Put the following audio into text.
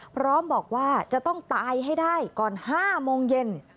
พร้อมบอกว่าจะต้องตายให้ได้ก่อน๕โมงเย็น